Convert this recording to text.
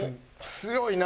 強いな。